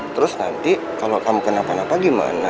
terus nanti kalau kamu kenapa napa gimana